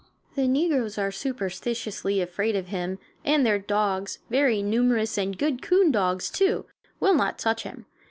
The negroes are superstitiously afraid of him, and their dogs, very numerous, and good coon dogs, too, will not touch him.